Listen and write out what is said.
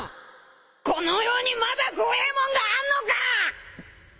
この世にまだ怖えもんがあんのか！？